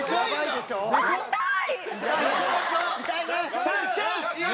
痛い！